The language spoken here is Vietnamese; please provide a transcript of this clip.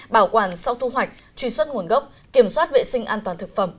bảo quản sau thu hoạch truy xuất nguồn gốc kiểm soát vệ sinh an toàn thực phẩm